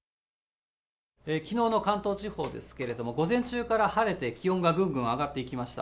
きのうの関東地方ですけれども、午前中から晴れて、気温がぐんぐん上がっていきました。